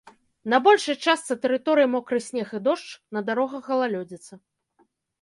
На большай частцы тэрыторыі мокры снег і дождж, на дарогах галалёдзіца.